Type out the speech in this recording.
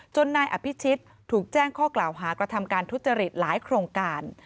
นายอภิชิตถูกแจ้งข้อกล่าวหากระทำการทุจริตหลายโครงการ